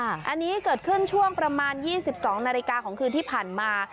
อันนี้เกิดขึ้นช่วงประมาณ๒๒นาฬิกาของคืนที่ผ่านมา